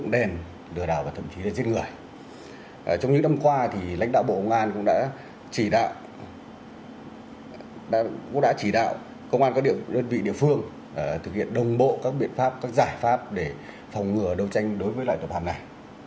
để chống các phòng ngừa đấu tranh đối với cờ bạc